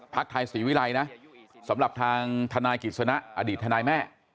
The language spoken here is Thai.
ภักดิ์ไทยสีวิรัยสำหรับทางทนายกิจสนะอดีตทนายแม่